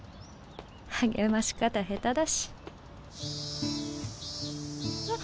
励まし方下手だしえっ？